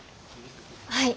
はい。